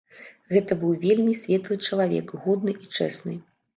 Гэта быў вельмі светлы чалавек, годны і чэсны.